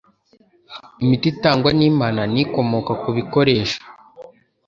Imiti itangwa n’Imana ni ikomoka ku bikoresho